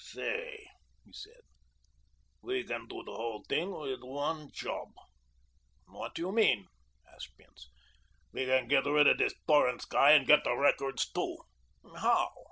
"Say," he said, "we can do the whole thing with one job." "What do you mean?" asked Bince, "We can get rid of this Torrance guy and get the records, too." "How?"